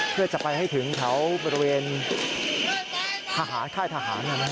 เพื่อจะไปให้ถึงขาวบริเวณทหาร